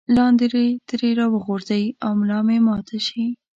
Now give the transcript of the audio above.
لاندې ترې راوغورځئ او ملا مو ماته شي.